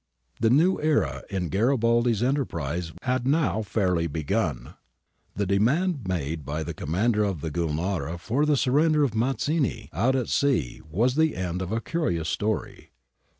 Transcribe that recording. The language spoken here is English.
^ The new era in Garibaldi's enterprise had now fairly begun. The demand made by the commander of the Gulnara for the surrender of Mazzini out at sea was the end of a curious story.